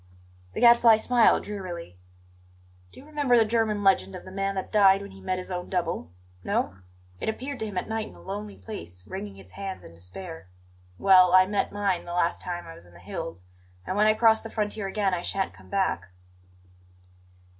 The Gadfly smiled drearily. "Do you remember the German legend of the man that died when he met his own Double? No? It appeared to him at night in a lonely place, wringing its hands in despair. Well, I met mine the last time I was in the hills; and when I cross the frontier again I shan't come back."